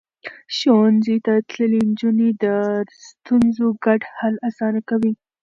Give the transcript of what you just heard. ښوونځی تللې نجونې د ستونزو ګډ حل اسانه کوي.